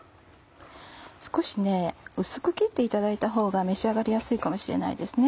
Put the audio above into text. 少し薄く切っていただいた方が召し上がりやすいかもしれないですね。